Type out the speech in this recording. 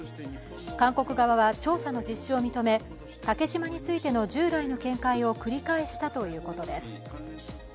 韓国側は調査の実施を認め竹島についての従来の見解を繰り返したということです。